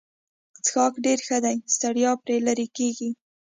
څښاک ډېر ښه دی ستړیا پرې لیرې کیږي.